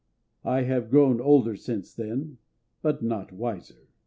I have grown older since then, but not wiser.